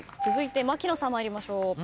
続いて槙野さん参りましょう。